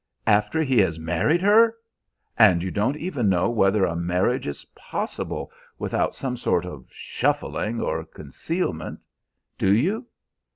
"After he has married her! And you don't even know whether a marriage is possible without some sort of shuffling or concealment; do you?"